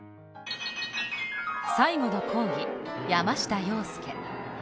「最後の講義」、山下洋輔。